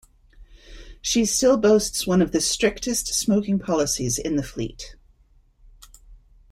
She still boasts one of the strictest smoking policies in the fleet.